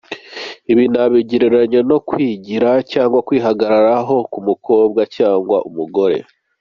Ibi nabigereranya no kwigira cyangwa kwihagararaho ku mukobwa cyangwa umugore.